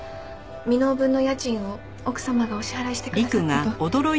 未納分の家賃を奥様がお支払いしてくださったと。